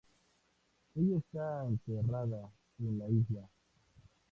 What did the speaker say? Ella está enterrada en la isla.